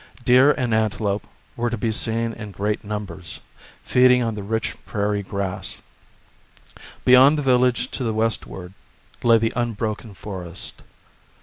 Deer and antelope were to be seen in great numbers, feeding on the rich prairie grass. Beyond the village to the westward lay the unbroken forest.